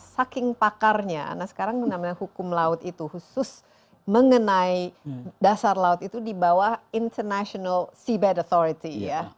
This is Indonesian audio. saking pakarnya nah sekarang namanya hukum laut itu khusus mengenai dasar laut itu di bawah international seabed authority ya